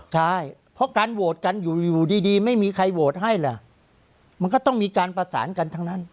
ใช่เพราะการโหวตกันอยู่ดีไม่มีใครโหวตให้ล่ะมันก็ต้องมีการประสานกันทั้งนั้น